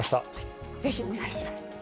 ぜひお願いします。